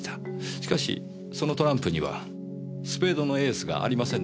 しかしそのトランプにはスペードのエースがありませんでした。